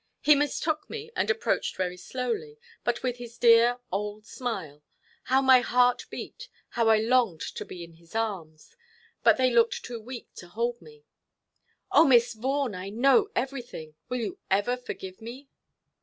He mistook me, and approached very slowly, but with his dear old smile: how my heart beat, how I longed to be in his arms; but they looked too weak to hold me. "Oh, Miss Vaughan, I know everything. Will you ever forgive me?"